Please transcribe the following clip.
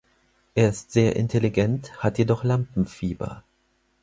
Er ist sehr intelligent, hat jedoch Lampenfieber.